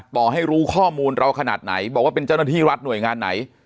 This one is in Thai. ต่อให้รู้ข้อมูลเราขนาดไหนบอกว่าเป็นเจ้าหน้าที่รัฐหน่วยงานไหน